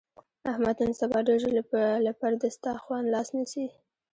احمد نن سبا ډېر ژر له پر دستاخوان لاس نسي.